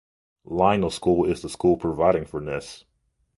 Lionel School is the school providing for Ness.